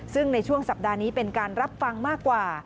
ซึ่งในช่วงสัปดาห์นี้เป็นการรับฟังมากกว่า